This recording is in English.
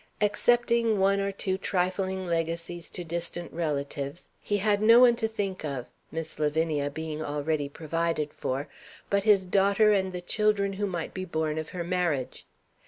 Excepting one or two trifling legacies to distant relatives, he had no one to think of (Miss Lavinia being already provided for) but his daughter and the children who might be born of her marriage.